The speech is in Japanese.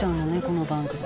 この番組。